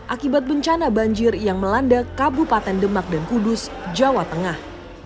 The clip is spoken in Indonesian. akibat bencana banjir yang melanda kabupaten demak dan kudus jawa tengah